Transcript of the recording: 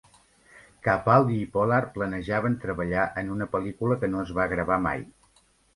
Capaldi i Pollard planejaven treballar en una pel·lícula que no es va gravar mai.